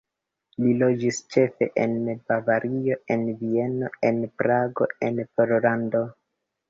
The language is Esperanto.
Li loĝis ĉefe en Bavario, en Vieno, en Prago, en Pollando.